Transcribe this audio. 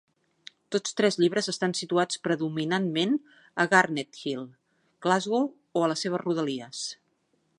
Tots tres llibres estan situats predominantment a Garnethill, Glasgow, o a les seves rodalies.